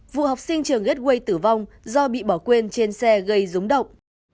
vụ học sinh trường gateway tử vong do bị bỏ quên trên xe gây rúng động